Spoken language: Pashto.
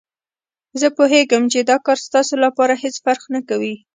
زه پوهېږم چې دا کار ستاسو لپاره هېڅ فرق نه کوي.